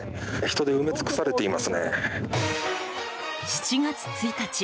７月１日。